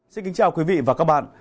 xin kính chào quý vị và các bạn